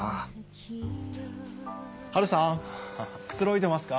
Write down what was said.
ハルさんくつろいでますか？